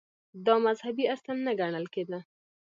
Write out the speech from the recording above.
• دا مذهبي اصل نه ګڼل کېده.